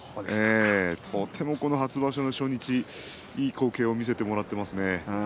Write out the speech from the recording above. この初場所の初日いい光景を見せてもらっていますね。